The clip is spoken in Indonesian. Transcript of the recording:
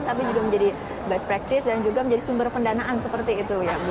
tapi juga menjadi best practice dan juga menjadi sumber pendanaan seperti itu ya